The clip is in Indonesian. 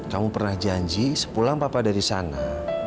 kamu pernah janji sepulang papa dari sana